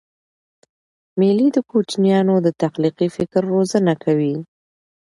مېلې د کوچنيانو د تخلیقي فکر روزنه کوي.